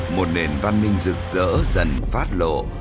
một nền văn minh rực rỡ dần phát lộ